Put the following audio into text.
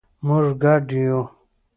مونږ ګډ یو